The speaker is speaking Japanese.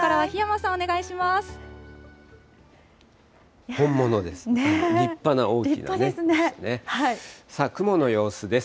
さあ、雲の様子です。